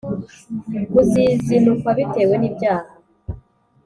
Muzizinukwa bitewe n ibyaha